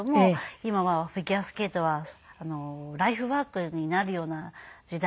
今はフィギュアスケートはライフワークになるような時代になってきています。